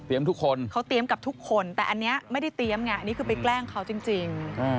ทุกคนเขาเตรียมกับทุกคนแต่อันนี้ไม่ได้เตรียมไงอันนี้คือไปแกล้งเขาจริง